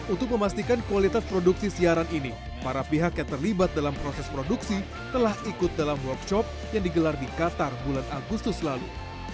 untuk memastikan kualitas produksi siaran ini para pihak yang terlibat dalam proses produksi telah ikut dalam workshop yang digelar di qatar bulan agustus lalu